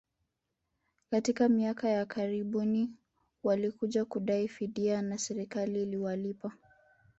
katika miaka ya karibuni walikuja kudai fidia na serikali iliwalipa